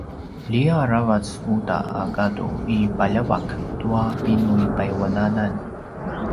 liaw aravac uta a gadu i paljavak tua pinuipayuanan